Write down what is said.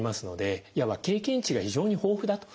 いわば経験値が非常に豊富だといえます。